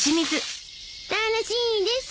楽しいです！